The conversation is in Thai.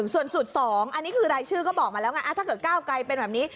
ส่วนสูตร๒อันนี้คือรายชื่อก็บอกมาแล้วไงถ้าเกิดก้าวไกลเป็นแบบนี้